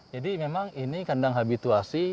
jadi memang ini kandang habituasi